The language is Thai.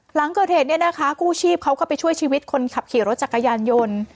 หลังเกิดเหตุเนี่ยนะคะกู้ชีพเขาก็ไปช่วยชีวิตคนขับขี่รถจักรยานยนต์